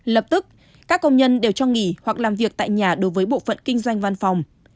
lập tức các công nhân đều cho nghỉ hoặc làm việc tại nhà đối với bộ phận kinh doanh văn phòng